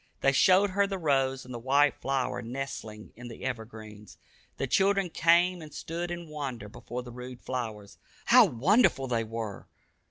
They showed her the rose and the white flower nestling in the evergreens. The children came and stood in wonder before the rude flowers. How wonderful they were!